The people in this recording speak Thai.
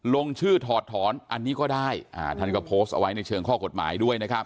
ลงชื่อถอดถอนอันนี้ก็ได้ท่านก็โพสต์เอาไว้ในเชิงข้อกฎหมายด้วยนะครับ